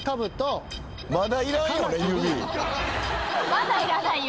まだいらない指。